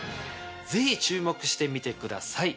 ぜひ注目して見てください。